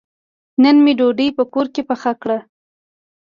نن مې ډوډۍ په کور کې پخه کړه.